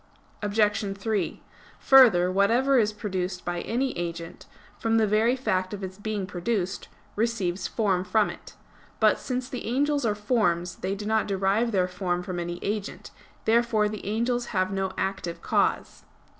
Obj. 3: Further, whatever is produced by any agent, from the very fact of its being produced, receives form from it. But since the angels are forms, they do not derive their form from any agent. Therefore the angels have no active cause.